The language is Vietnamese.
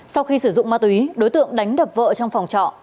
sau khi sử dụng ma túy đối tượng đánh đập vợ trong phòng trọ